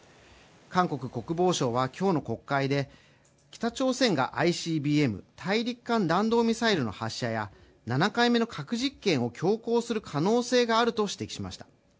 韓国国防省は今日の国会で北朝鮮がＩＣＢＭ＝大陸間弾道ミサイルの発射や７回目の核実験を強行する可能性があると指摘しました。